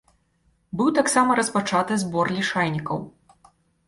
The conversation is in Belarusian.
Быў таксама распачаты збор лішайнікаў.